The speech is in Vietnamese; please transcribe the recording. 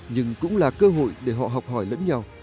nhưng cũng là cơ hội để họ học hỏi lẫn nhau